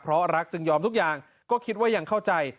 เพราะรักจึงยอมทุกอย่างก็คิดว่ายังเข้าใจ